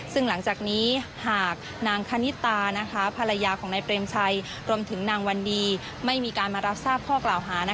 ซึ่งหลังจากนี้หากนางคณิตาภรรยาของนายเปรมชัยรวมถึงนางวันดีไม่มีการมารับทราบข้อกล่าวหา